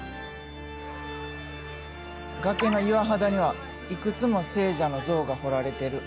崖の岩肌にはいくつも聖者の像が彫られてる。